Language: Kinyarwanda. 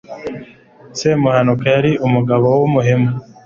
semuhanuka yari umugabo w'umuhemu